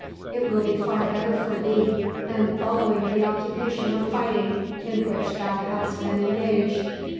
It will be far better for thee than following the occupation of fighting, in which thou hast been engaged."